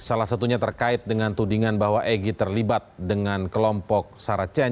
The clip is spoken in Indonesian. salah satunya terkait dengan tudingan bahwa egy terlibat dengan kelompok saracen